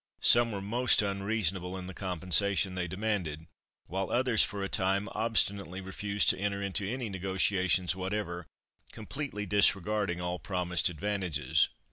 Some were most unreasonable in the compensation they demanded, while others for a time obstinately refused to enter into any negotiations whatever, completely disregarding all promised advantages.